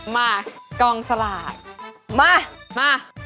มาเด็กมา